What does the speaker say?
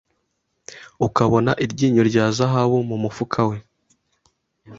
ukabona iryinyo rya zahabu mumufuka we